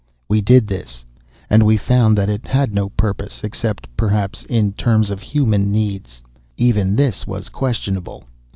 We did this, and we found that it had no purpose, except, perhaps, in terms of human needs. Even this was questionable.